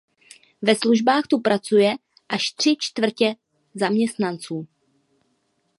Ve službách tu pracuje až tři čtvrtě zaměstnanců.